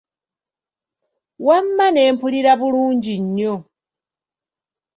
Wamma ne mpulira bulungi nnyo.